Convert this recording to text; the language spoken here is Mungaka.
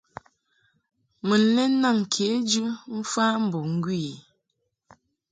Mun lɛ naŋ kejɨ mf ambo ŋgwi i.